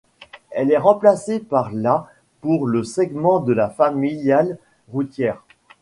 Elle est remplacée par la pour le segment de la familiale routière.